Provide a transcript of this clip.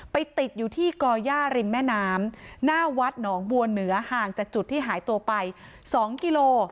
ติดอยู่ที่ก่อย่าริมแม่น้ำหน้าวัดหนองบัวเหนือห่างจากจุดที่หายตัวไป๒กิโล